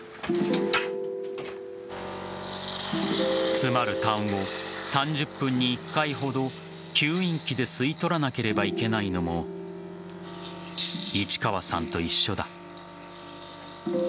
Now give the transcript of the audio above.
詰まる痰を３０分に１回ほど吸引器で吸い取らなければいけないのも市川さんと一緒だ。